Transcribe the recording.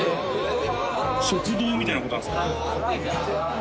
食堂みたいな事なんですか？